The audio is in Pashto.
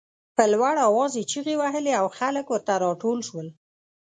په لوړ آواز یې چغې وهلې او خلک ورنه راټول شول.